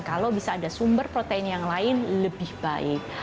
kalau bisa ada sumber protein yang lain lebih baik